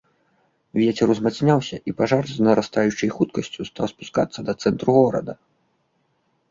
Вецер узмацняўся, і пажар з нарастаючай хуткасцю стаў спускацца да цэнтру горада.